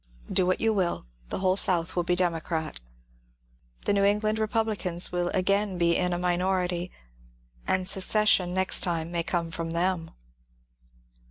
Do what you will, the whole South will be Democrat. The New England Republicans will again be in a minority, and secession next time may come from them.